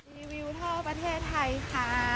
น้ำรีวิวท่อประเทศไทยค่ะ